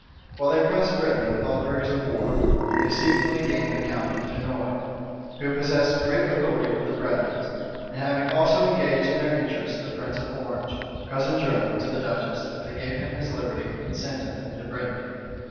While they pressed Brittany with all the rigors of war, they secretly gained the count of Dunois, who possessed great authority with the Bretons; and having also engaged in their interests the prince of Orange, cousin german to the duchess, they gave him his liberty, and sent him into Brittany.